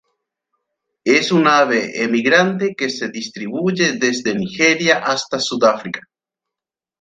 Es un ave emigrante que se distribuye desde Nigeria hasta Sudáfrica.